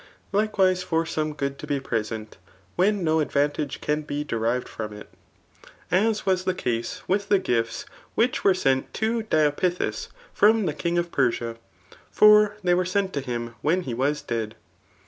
Likewise for some good to be present, when no advantage can be derived from it; as was the case with the gifts which were sent to Diopithis from the king [of Persia ;3 fr>r diey were sent to him when he was dead.